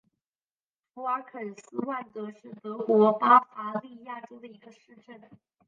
福尔肯施万德是德国巴伐利亚州的一个市镇。